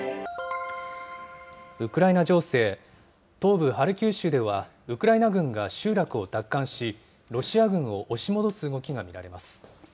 ウクライナ情勢、東部ハルキウ州では、ウクライナ軍が集落を奪還し、ロシア軍を押し戻す動きが見られます。